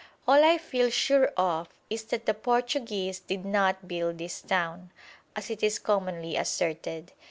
All I feel sure of is that the Portuguese did not build this town, as it is commonly asserted.